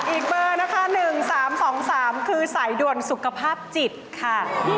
อีกเบอร์นะคะ๑๓๒๓คือสายด่วนสุขภาพจิตค่ะ